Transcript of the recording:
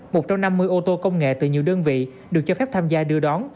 một trong năm mươi ô tô công nghệ từ nhiều đơn vị được cho phép tham gia đưa đón